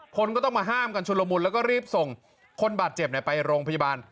คนก็ต้องมาห้ามกันชุดละมุนแล้วก็รีบส่งคนบาดเจ็บไปโรงพยาบาล